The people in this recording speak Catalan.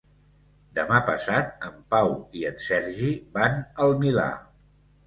Demà passat en Pau i en Sergi van al Milà.